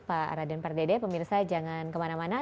pak raden pardede pemirsa jangan kemana mana